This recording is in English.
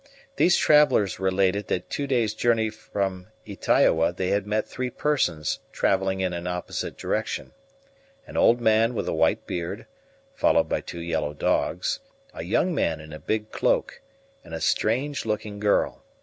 These travellers related that two days' journey from Ytaioa they had met three persons travelling in an opposite direction: an old man with a white beard, followed by two yellow dogs, a young man in a big cloak, and a strange looking girl.